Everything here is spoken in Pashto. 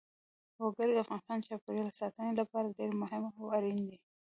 وګړي د افغانستان د چاپیریال ساتنې لپاره ډېر مهم او اړین دي.